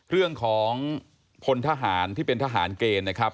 เรื่องของคนทหารที่เป็นทหารเกณฑ์นะครับ